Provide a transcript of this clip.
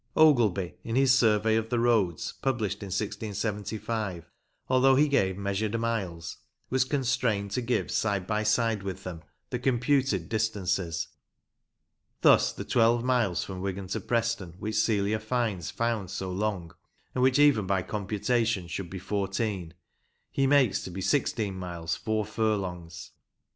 Ogilby, in his Survey of the Roads, published in 1675, although he gave measured miles, was constrained to give side by side with them the computed distances. Thus the twelve miles from Wigan to Preston wKich Celia Fiennes found so long, and which even by computation should be fourteen, he makes to be sixteen miles four furlongs.